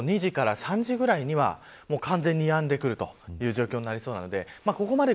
午後２時から３時ぐらいには完全にやんでくるという状況になりそうです。